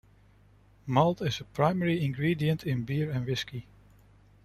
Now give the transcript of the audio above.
Malt is a primary ingredient in beer and whisky.